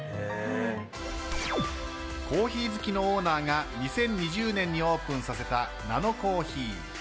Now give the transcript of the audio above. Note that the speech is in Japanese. コーヒー好きのオーナーが２０２０年にオープンさせたナノコーヒー。